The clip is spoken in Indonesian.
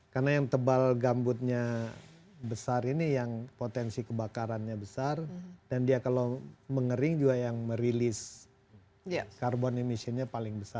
karena yang tebal gambutnya besar ini yang potensi kebakarannya besar dan dia kalau mengering juga yang merilis akar bombsnya paling besar